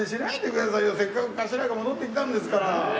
せっかく頭が戻ってきたんですから。